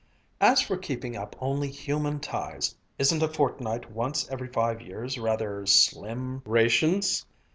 "As for keeping up only human ties, isn't a fortnight once every five years rather slim rations?"